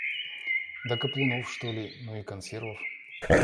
Да каплунов, что ли, ну и консервов.